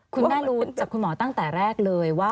คุณแม่รู้จากคุณหมอตั้งแต่แรกเลยว่า